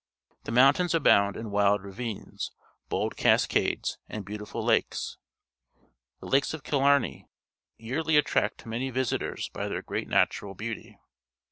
The mountains abound in 174 PUBLIC SCHOOL GEOGRAPHY wild ravines, bold cascades, and beautiful lakes. The Lakes of Killnrney yearly at tract many visitors by their great natural beauty.